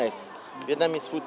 thức ăn việt nam cũng vậy